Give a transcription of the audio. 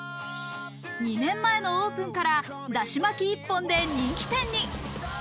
２年前のオープンから、だしまき一本で人気店に。